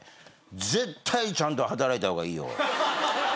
絶対ちゃんと働いた方がいいよ。